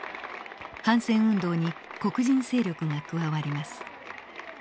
反戦運動に黒人勢力が加わります。